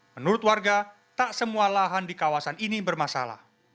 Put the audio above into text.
menurut warga tak semua lahan di kawasan ini bermasalah